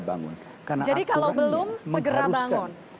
bangun karena akurannya mengharuskan